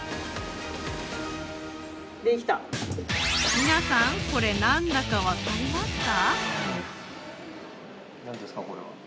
皆さん、これなんだか分かりますか？